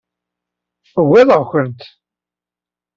Ugareɣ-kent.